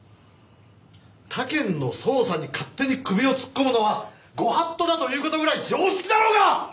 他県の捜査に勝手に首を突っ込むのはご法度だという事ぐらい常識だろうが！